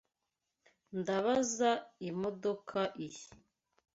Ndabaza imodoka iyi.